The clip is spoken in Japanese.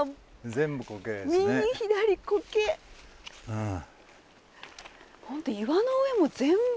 うん。